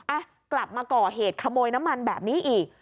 อ่ะกลับมาก่อเหตุขโมยน้ำมันแบบนี้อีก